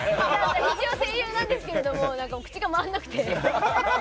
一応声優なんですけれども口が回らなくて。